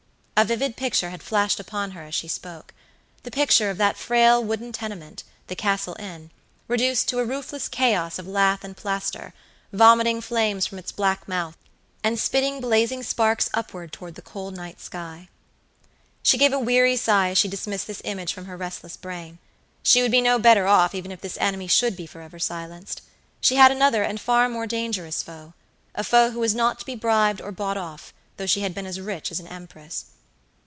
A vivid picture had flashed upon her as she spoke. The picture of that frail wooden tenement, the Castle Inn, reduced to a roofless chaos of lath and plaster, vomiting flames from its black mouth, and spitting blazing sparks upward toward the cold night sky. She gave a weary sigh as she dismissed this image from her restless brain. She would be no better off even if this enemy should be for ever silenced. She had another and far more dangerous foea foe who was not to be bribed or bought off, though she had been as rich as an empress.